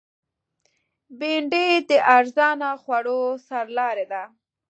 بېنډۍ د ارزانه خوړو سرلاری ده